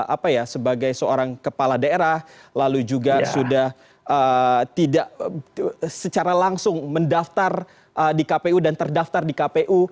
apa ya sebagai seorang kepala daerah lalu juga sudah tidak secara langsung mendaftar di kpu dan terdaftar di kpu